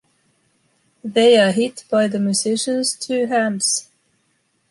They are hit by the musician’s two hands.